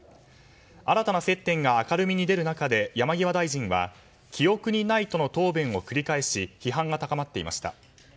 新たな接点が明るみに出る中で山際大臣は記憶にないとの答弁を繰り返し批判が高まっていました。